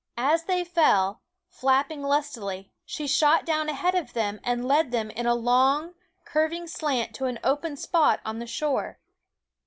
As they fell, flapping lustily, she shot down ahead of them and led them in a long, curving slant to an open spot on the shore.